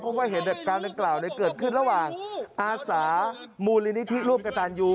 เพราะว่าเห็นการกล่าวเกิดขึ้นระหว่างอาสามุลินิธิรูปกระตานยู